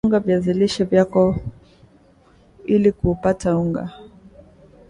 saga unga viazi lishe vyako ili kupaata unga